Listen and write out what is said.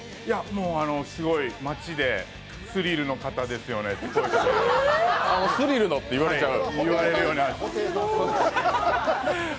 もうすごい街でスリルの方ですよねって言われちゃう。